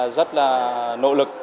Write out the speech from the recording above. rất là nỗ lực